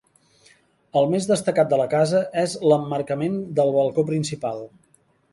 El més destacat de la casa és l'emmarcament del balcó principal.